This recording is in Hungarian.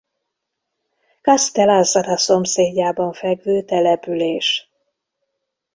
Castell’Azzara szomszédjában fekvő település.